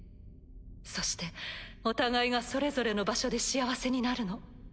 そしてお互いがそれぞれの場所で幸せになるの。